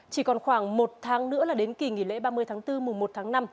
chỉ còn khoảng một tháng nữa là đến kỳ nghỉ lễ ba mươi tháng bốn mùa một tháng năm